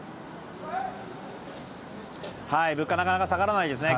物価なかなか下がらないですね。